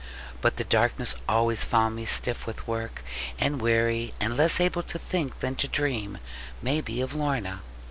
But the darkness always found me stiff with work, and weary, and less able to think than to dream, may be, of Lorna.